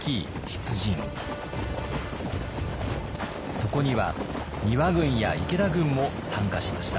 そこには丹羽軍や池田軍も参加しました。